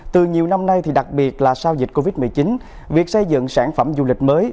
từ nhiều năm nay đặc biệt là sau dịch covid một mươi chín việc xây dựng sản phẩm du lịch mới